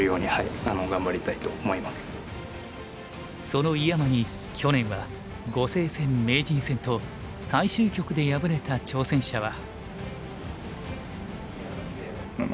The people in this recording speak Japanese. その井山に去年は碁聖戦名人戦と最終局で敗れた挑戦者は。